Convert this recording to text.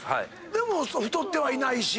でも太ってはいないし。